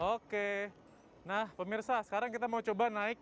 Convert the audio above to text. oke nah pemirsa sekarang kita mau coba naik